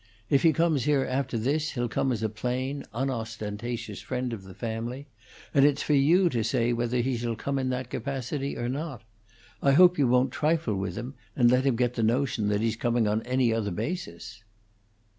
If he comes here after this, he'll come as a plain, unostentatious friend of the family, and it's for you to say whether he shall come in that capacity or not. I hope you won't trifle with him, and let him get the notion that he's coming on any other basis."